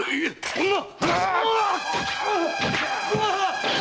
そんな！